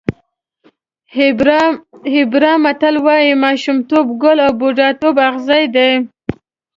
هېبرا متل وایي ماشومتوب ګل او بوډاتوب اغزی دی.